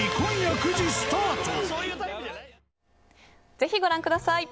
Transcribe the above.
ぜひご覧ください。